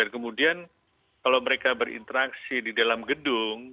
kemudian kalau mereka berinteraksi di dalam gedung